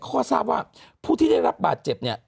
เขาก็ทราบว่าผู้ที่ได้รับบาดเจ็บเนี่ย